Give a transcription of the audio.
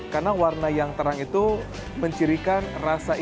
karena warna yang terang itu mencirikan rasa ikan